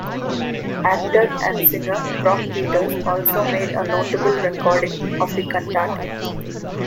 Actor and singer Brock Peters also made a notable recording of the cantata.